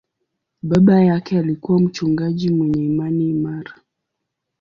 Baba yake alikuwa mchungaji mwenye imani imara.